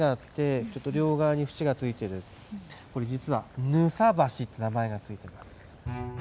実はぬさ橋って名前がついています